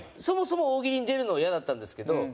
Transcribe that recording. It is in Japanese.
そもそも大喜利に出るのがイヤだったんですけど。